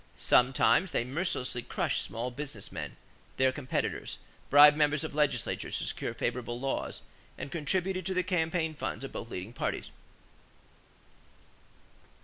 Sometimes they mercilessly crushed small business men, their competitors, bribed members of legislatures to secure favorable laws, and contributed to the campaign funds of both leading parties.